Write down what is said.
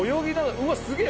うわっすげえ。